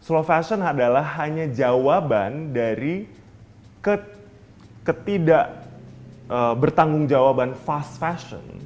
slow fashion adalah hanya jawaban dari ketidak bertanggung jawaban fast fashion